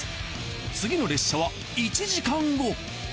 次の列車は１時間後。